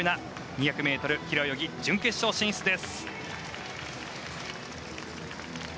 ２００ｍ平泳ぎ準決勝進出です。